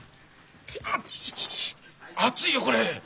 あちちち熱いよこれ！